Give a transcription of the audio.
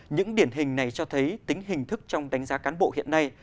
những điển hình này cho thấy tính hình thức trong đánh giá cán bộ hiện nay